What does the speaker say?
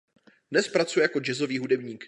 Dnes pracuje jako jazzový hudebník.